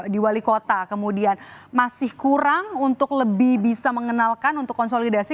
di wali kota kemudian masih kurang untuk lebih bisa mengenalkan untuk konsolidasi